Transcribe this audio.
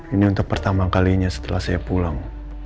ini untuk pertama kalinya setelah saya pulang